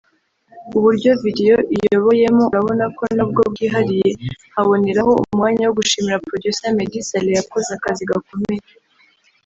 uburyo video iyoboyemo urabona ko nabwo bwihariye nkaboneraho umwanya wo gushimira Producer Meddy Saleh yakoze akazi gakomeye